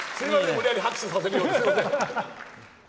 無理やり拍手させたようで。